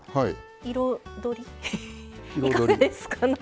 彩りいかがですか？